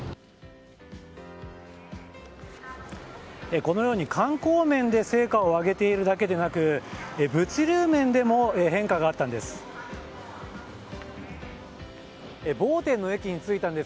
このように観光面で成果を上げているだけでなく物流面でも変化があったんです。